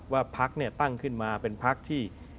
ว่าพักตั้งขึ้นมาเป็นพักที่